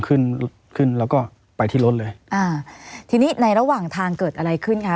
ขึ้นขึ้นแล้วก็ไปที่รถเลยอ่าทีนี้ในระหว่างทางเกิดอะไรขึ้นคะ